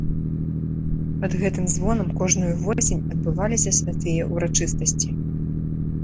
Пад гэтым звонам кожную восень адбываліся святыя ўрачыстасці.